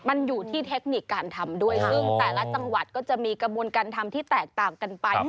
มันอยู่ที่เทคนิคการทำด้วยซึ่งแต่ละจังหวัดก็จะมีกระบวนการทำที่แตกต่างกันไป